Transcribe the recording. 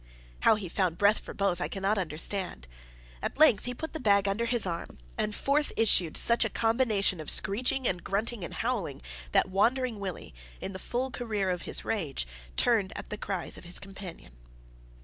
How he found breath for both I cannot understand. At length, he put the bag under his arm, and forth issued such a combination of screeching and grunting and howling, that Wandering Willie, in the full career of his rage, turned at the cries of his companion.